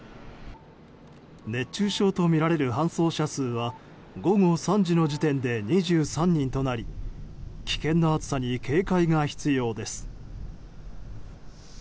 熱中症とみられる搬送者数は午後３時の時点で２３人となり危険な暑さに警戒が必要です。